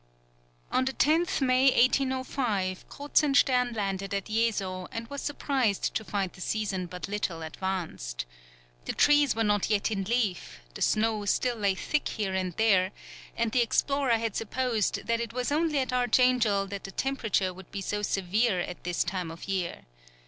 On the 10th May, 1805, Kruzenstern landed at Yezo, and was surprised to find the season but little advanced. The trees were not yet in leaf, the snow still lay thick here and there, and the explorer had supposed that it was only at Archangel that the temperature would be so severe at this time of year.